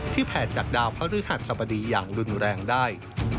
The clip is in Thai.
แผ่จากดาวพระฤหัสสบดีอย่างรุนแรงได้